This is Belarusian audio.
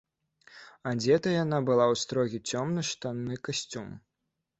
Адзетая яна была ў строгі цёмны штанны касцюм.